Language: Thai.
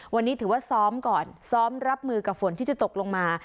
วันนี้ถือว่าซ้อมก่อนซ้อมรับมือกับฝนที่จะตกลงมา